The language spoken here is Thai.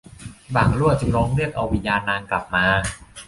บ่างลั่วจึงร้องเรียกเอาวิญญาณนางกลับมา